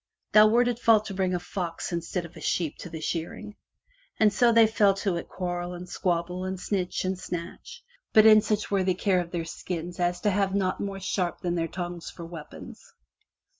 Thou wert at fault to bring a fox instead of a sheep to the shearing!" And so they fell to at quarrel and squabble and snitch and snatch, but in such worthy care of their skins as to have naught more sharp than their tongues for weapons.